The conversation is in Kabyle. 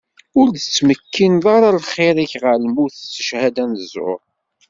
Ur tettmekkineḍ ara lɣir-ik ɣer lmut s cchada n ẓẓur.